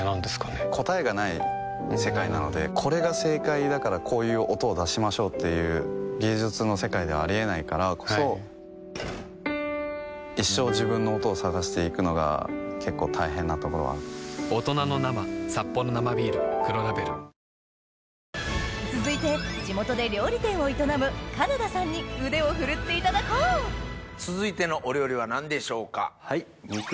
答えがない世界なのでこれが正解だからこういう音を出しましょうという芸術の世界ではありえないからこそ一生自分の音を探していくのが結構大変なところ続いて地元で料理店を営むに腕を振るっていただこう続いてのお料理は何でしょうか？